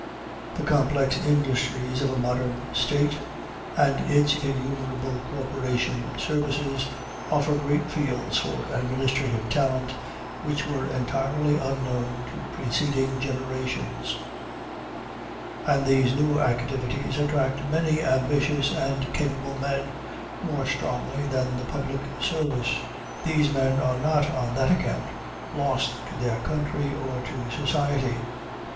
The complex industries of a modern state, and its innumerable corporation services, offer great fields for administrative talent which were entirely unknown to preceding generations; and these new activities attract many ambitious and capable men more strongly than the public service. These men are not on that account lost to their country or to society.